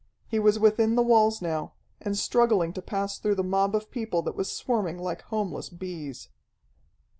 He was within the walls now, and struggling to pass through the mob of people that was swarming like homeless bees.